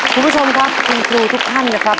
คุณผู้ชมครับคุณครูทุกท่านนะครับ